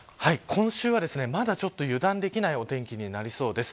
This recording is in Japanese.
今週はまだちょっと油断できないお天気になりそうです。